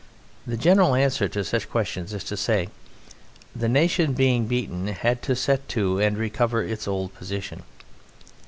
The general answer to such questions is to say: "The nation being beaten had to set to and recover its old position."